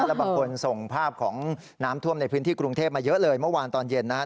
แล้วบางคนส่งภาพของน้ำท่วมในพื้นที่กรุงเทพมาเยอะเลยเมื่อวานตอนเย็นนะครับ